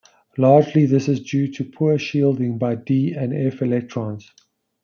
Largely, this is due to the poor shielding by d and f electrons.